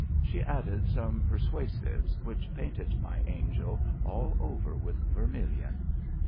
She added some persuasives which painted my angel all over with vermilion.